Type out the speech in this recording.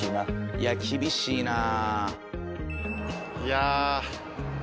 いや厳しいなあ。